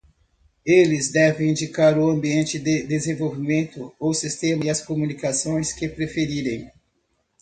Eles devem indicar o ambiente de desenvolvimento, o sistema e as comunicações que preferirem.